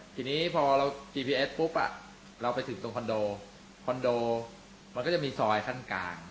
ทีนี้พอเราจีพีเอสปุ๊บเราไปถึงตรงคอนโดคอนโดมันก็จะมีซอยขั้นกลาง